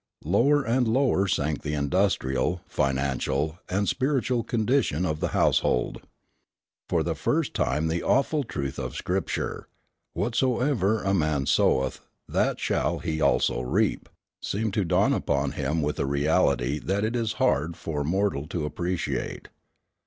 Lower and lower sank the industrial, financial, and spiritual condition of the household. For the first time the awful truth of Scripture, "Whatsoever a man soweth, that shall he also reap," seemed to dawn upon him with a reality that it is hard for mortal to appreciate.